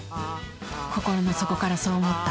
心の底からそう思った。